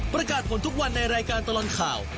ประกาศผลทุกวันในรายการตลอดข่าว